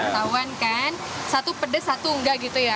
tauan kan satu pedas satu enggak gitu ya